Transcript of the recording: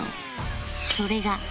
それが